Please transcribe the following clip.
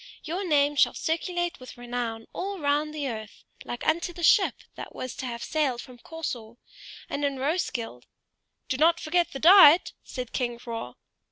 Your name shall circulate with renown all round the earth, like unto the ship that was to have sailed from Corsor; and in Roeskilde " "Do not forget the diet!" said King Hroar.